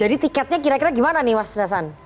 jadi tiketnya kira kira gimana nih mas rasan